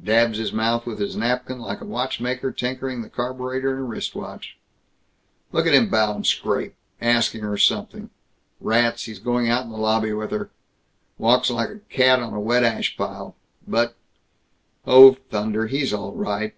Dabs his mouth with his napkin like a watchmaker tinkering the carburetor in a wrist watch. "Lookit him bow and scrape asking her something Rats, he's going out in the lobby with her. Walks like a cat on a wet ash pile. But Oh thunder, he's all right.